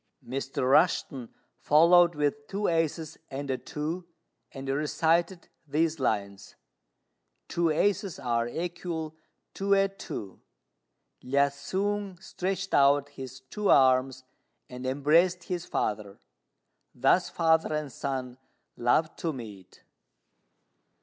'" Mr. Rushten followed with two aces and a two, and recited these lines: "Two aces are equal to a two: Lu hsiang stretched out his two arms and embraced his father. Thus father and son love to meet!"